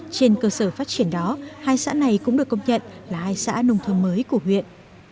trên cơ sở phát triển đó hai xã này cũng được công nhận là hai xã nông thôn mới của huyện